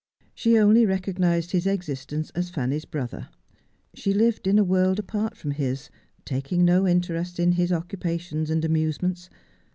She only recognised his existence as Fanny's brother. She lived in a world apart from his, taking no interest in his occupations and amusements.